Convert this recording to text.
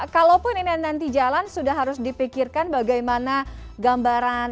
kalaupun ini nanti jalan sudah harus dipikirkan bagaimana gambaran